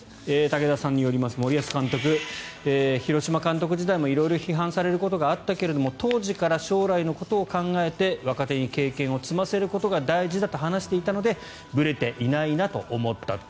武田さんによりますと森保監督、広島監督時代も色々批判されることがあったけども当時から将来のことを考えて若手に経験を積ませることが大事だと話していたのでぶれていないなと思ったと。